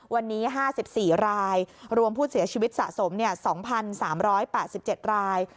วันนี้๕๔รายรวมผู้เสียชีวิตสะสม๒๓๘๗ราย